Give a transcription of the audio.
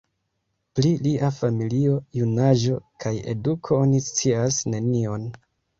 Pri lia familio, junaĝo kaj eduko oni scias nenion.